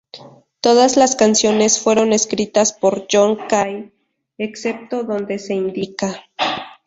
Todas las canciones fueron escritas por John Kay, excepto donde se índica.